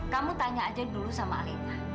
kamu tanya aja dulu sama alina